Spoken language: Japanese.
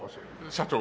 社長！？